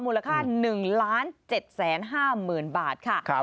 มูลค่า๑๗๕๐๐๐บาทค่ะ